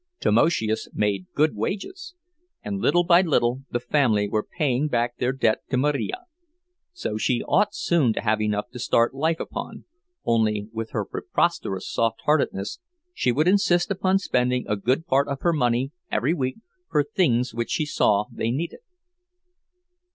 Tamoszius made good wages; and little by little the family were paying back their debt to Marija, so she ought soon to have enough to start life upon—only, with her preposterous softheartedness, she would insist upon spending a good part of her money every week for things which she saw they needed.